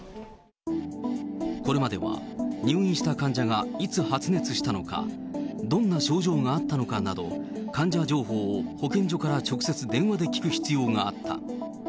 これまでは、入院した患者がいつ発熱したのか、どんな症状があったのかなど、患者情報を保健所から直接電話で聞く必要があった。